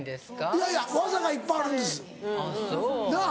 いやいや技がいっぱいあるんですなっ。